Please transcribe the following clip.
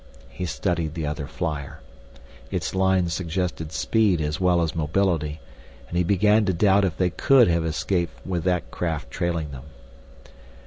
He studied the other flyer. Its lines suggested speed as well as mobility, and he began to doubt if they could have escaped with that craft trailing them.